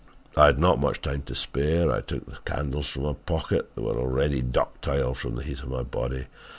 I had not much time to spare. I took the candles from my pocket. They were already ductile from the heat of my body.